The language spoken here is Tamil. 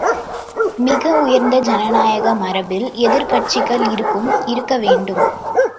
மிக உயர்ந்த ஜனநாயக மரபில் எதிர்க் கட்சிகள் இருக்கும் இருக்கவேண்டும்.